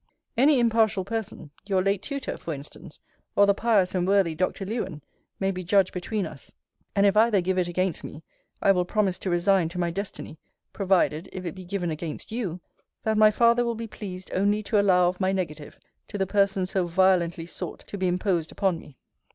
Any impartial person, your late tutor, for instance, or the pious and worthy Dr. Lewen, may be judge between us: and if either give it against me, I will promise to resign to my destiny: provided, if it be given against you, that my father will be pleased only to allow of my negative to the person so violently sought to be imposed upon me.